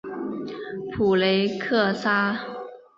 普雷克桑。